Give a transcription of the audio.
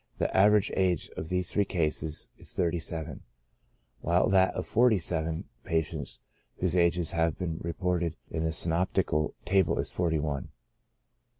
The average age of these three cases is thirty seven, while that of the forty seven patients whose ages have been re ported in the synoptical table is forty one.